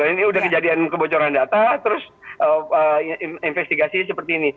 ini udah kejadian kebocoran data terus investigasi seperti ini